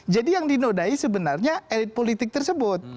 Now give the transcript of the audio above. jadi yang dinodai sebenarnya elit politik tersebut